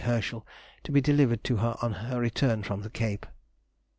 Herschel, to be delivered to her on her return from the Cape....